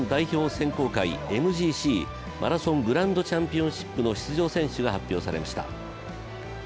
選考会ＭＧＣ＝マラソングランドチャンピオンシップの出場選手が発表されました。